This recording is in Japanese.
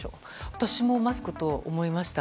私もマスクだと思いました。